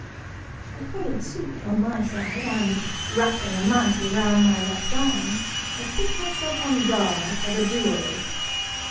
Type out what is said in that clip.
I followed suit, on my side, and, wrapping a mantle around my left arm, I put myself on guard for the duel.